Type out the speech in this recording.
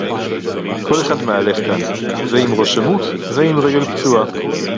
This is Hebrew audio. כֹּל אֶחָד מַהֲלָךְ כָּאן, זֶה עִם רֹאשׁ שָׁמוּט, זֶה עִם רֶגֶל פְּצוּעָהּ